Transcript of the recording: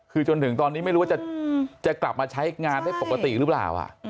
คือจนถึงตอนนี้ไม่รู้ว่าจะกลับมาใช้งานได้ปกติหรือเปล่า